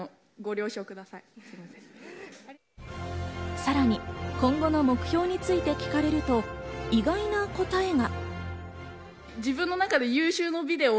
さらに今後の目標について聞かれると、意外な答えが。